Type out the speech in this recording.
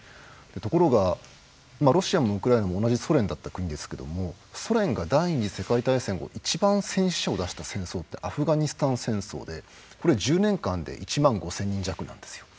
ところが、ロシアもウクライナも同じソ連だった国ですがソ連が第２次世界大戦後一番、戦死者を出した戦争ってアフガニスタン戦争で１０年間で１万５０００人弱なんですよ。